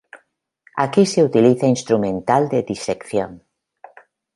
Aquí se utiliza instrumental de disección.